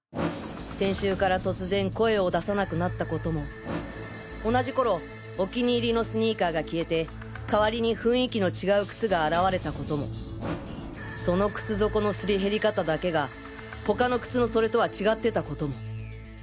先週から突然声を出さなくなった事も同じ頃お気に入りのスニーカーが消えて代わりに雰囲気の違う靴が現れた事もその靴底のすり減り方だけが他の靴のそれとは違ってた事も。